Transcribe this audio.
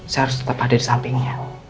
saya harus tetap hadir sampingnya